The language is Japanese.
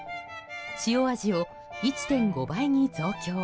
塩味を１．５倍に増強。